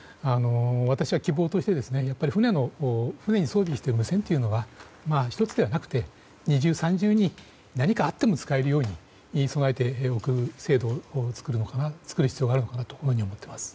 私は希望として船に装備している無線というのは１つではなくて、二重三重に何かあっても使えるように備えておく制度を作る必要があるのかなと思っています。